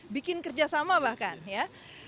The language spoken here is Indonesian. bikin kerja sama bahkan ya